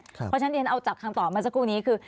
เพราะฉะนั้นเรียนเอาจากคำตอบมาสักครู่นี้คือ